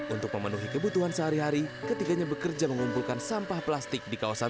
untuk memenuhi kebutuhan sehari hari ketiganya bekerja mengumpulkan sampah plastik di kawasan